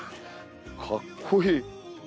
かっこいい。